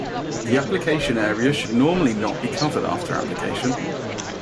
The application area should normally not be covered after application.